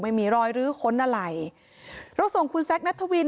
ไม่มีรอยรื้อค้นอะไรเราส่งคุณแซคนัทวิน